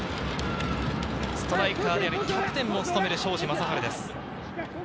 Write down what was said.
ストライカーでありキャプテンも務める庄司壮晴です。